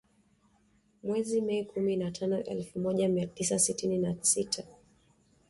Mwezi Mei kumi na tano elfu moja mia tisa sitini na sita